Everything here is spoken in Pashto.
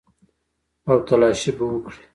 او تلاشي به وکړي.